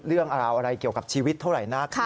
เรื่องราวอะไรเกี่ยวกับชีวิตเท่าไหร่นัก